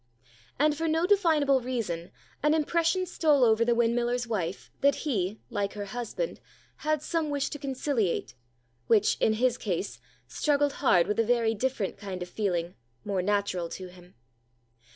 And, for no definable reason, an impression stole over the windmiller's wife that he, like her husband, had some wish to conciliate, which in his case struggled hard with a very different kind of feeling, more natural to him.